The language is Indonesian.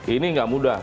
ini nggak mudah